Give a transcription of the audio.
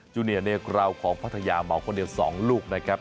เนียเนกราวของพัทยาเหมาคนเดียว๒ลูกนะครับ